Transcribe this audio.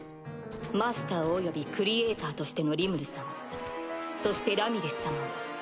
マスターおよびクリエイターとしてのリムル様そしてラミリス様を。